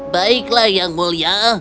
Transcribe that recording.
baiklah yang mulia